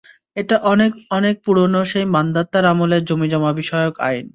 এটা অনেক অনেক পুরনো সেই মান্দাতার আমলের জমিজমা বিষয়ক আইন!